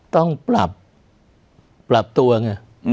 ต้องปรับตัวไง